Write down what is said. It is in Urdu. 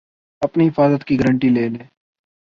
اپنی حفاظت کی گارنٹی لے لی